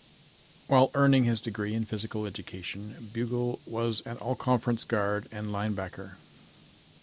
While earning his degree in physical education, Bugel was an all-conference guard and linebacker.